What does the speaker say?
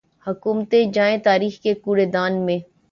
حکومتیں جائیں تاریخ کے کوڑے دان میں۔